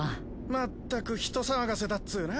まったく人騒がせだっツーナ。